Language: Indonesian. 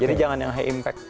jadi jangan yang high impact